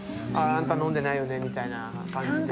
「あんた飲んでないよね」みたいな感じで。